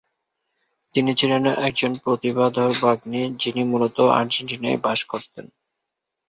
তিনি ছিলেন একজন প্রতিভাধর বাগ্মী, যিনি মূলত আর্জেন্টিনায় বাস করতেন।